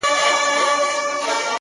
خوني خنجر نه دى چي څوك يې پـټ كــړي!!